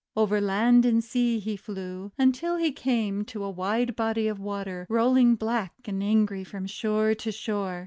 Over land and sea he flew, until he came to a wide body of water, rolling black and angry from shore to shore.